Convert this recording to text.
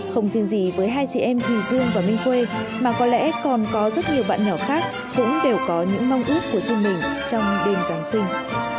không riêng gì với hai chị em thùy dương và minh khuê mà có lẽ còn có rất nhiều bạn nhỏ khác cũng đều có những mong ước của riêng mình trong đêm giáng sinh